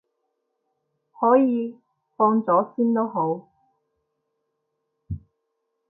可以，放咗先都好